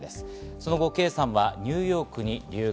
その圭さんはニューヨークに留学。